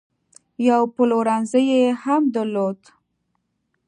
یو پلورنځی یې هم درلود.